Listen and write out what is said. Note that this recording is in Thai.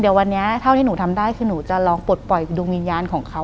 เดี๋ยววันนี้เท่าที่หนูทำได้คือหนูจะลองปลดปล่อยดวงวิญญาณของเขา